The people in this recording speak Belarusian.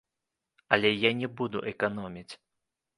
Але я не буду эканоміць.